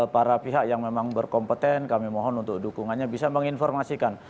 para pihak yang memang berkompeten kami mohon untuk dukungannya bisa menginformasikan